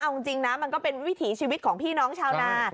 เอาจริงนะมันก็เป็นวิถีชีวิตของพี่น้องชาวนา